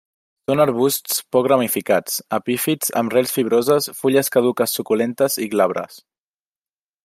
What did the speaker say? Són arbusts poc ramificats, epífits amb rels fibroses, fulles caduques suculentes i glabres.